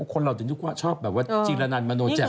คนเราถึงทุกคนชอบแบบว่าจีรนันมาโน่นแจ่ม